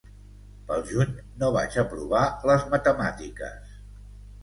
Pel juny no vaig aprovar les matemàtiques.